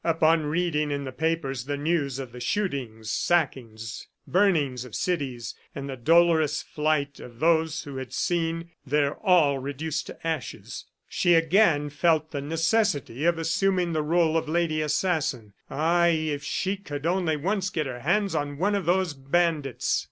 Upon reading in the papers the news of the shootings, sackings, burning of cities, and the dolorous flight of those who had seen their all reduced to ashes, she again felt the necessity of assuming the role of lady assassin. Ay, if she could only once get her hands on one of those bandits!